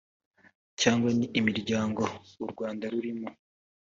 cyangwa n imiryango u rwanda rurimo